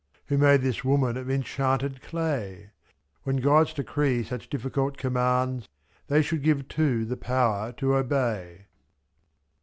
Who made this woman of enchanted clay ? /'X When gods decree such difficult commands. They should give too the power to obey.